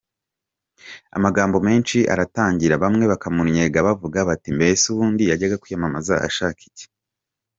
Amagambo menshi aratangira bamwe bakabannyega bavuga bati:” Mbese ubundi yajyaga kwiyamamaza ashaka iki?